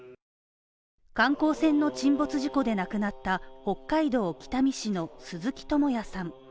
観光船の沈没事故で亡くなった北海道北見市の鈴木智也さん